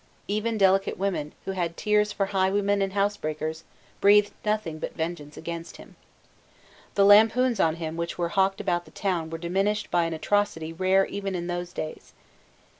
Even delicate women, who had tears for highwaymen and housebreakers, breathed nothing but vengeance against him. The lampoons on him which were hawked about the town were distinguished by an atrocity rare even in those days.